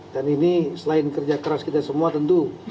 dan ini selain kerja keras kita semua tentu